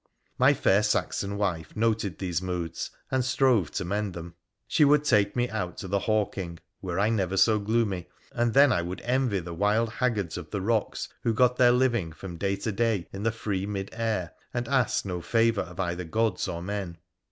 My fair Saxon wife noticed these moods, and strove to mend them. She would take me out to the hawking, were I never so gloomy, and then I would envy the wild haggards of the rocks who got their living from day to day in the free mid air, and asked no favour of either gods or men.